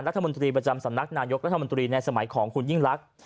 รัฐมนตรีประจำสำนักนายกรัฐมนตรีในสมัยของคุณยิ่งรัก